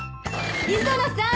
・・磯野さーん！